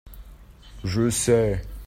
je sais.